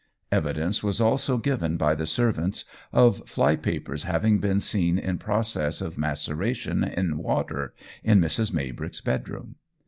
Evidence was also given by the servants, of flypapers having been seen in process of maceration in water in Mrs. Maybrick's bedroom.